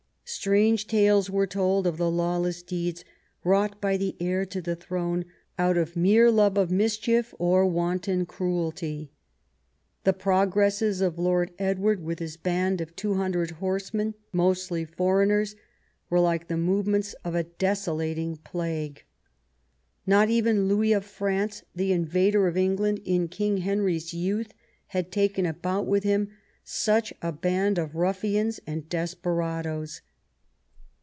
Strange tales were told of the lawless deeds wrought by the heir to the throne out of mere love of mischief or wanton cruelty. The progresses of the Lord Edward with his band of 200 horsemen, mostly foreigners, were like the movements of a desolating plague. Not even Louis of France, the invader of England in King Henry's youth, had taken about with him such a band of ruffians and desperadoes.